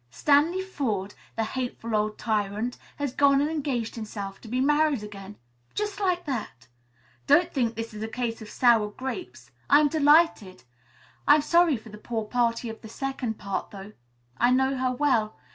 Stanley Forde, the hateful old tyrant, has gone and engaged himself to be married again. Just like that! Don't think this is a case of sour grapes. I am de lighted. I am sorry for the poor party of the second part, though. I know her well.